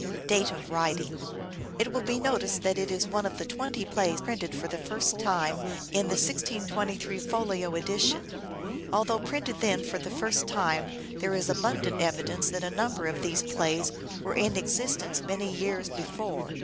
Date of It will be noticed that it is one of the twenty plays printed for the first time in the 1623 folio edition. Although printed then for the first time there is abundant evidence that a number of these plays were in existence many years before.